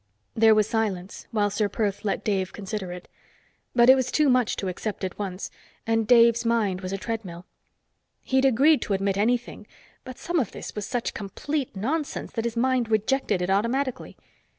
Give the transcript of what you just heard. There was silence, while Ser Perth let Dave consider it. But it was too much to accept at once, and Dave's mind was a treadmill. He'd agreed to admit anything, but some of this was such complete nonsense that his mind rejected it automatically.